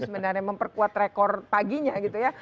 sebenarnya memperkuat rekor paginya gitu ya